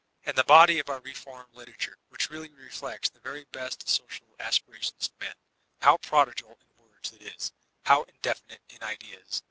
And the body of our refonn literature, which really reflects the very best social aspirations of men, how prodigal in words it b, — how indefinite in ideas!